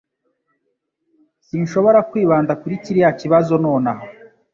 Sinshobora kwibanda kuri kiriya kibazo nonaha.